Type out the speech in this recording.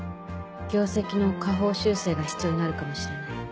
業績の下方修正が必要になるかもしれない。